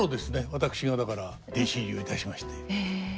私がだから弟子入りをいたしましてはい。